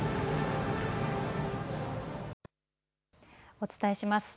お伝えします。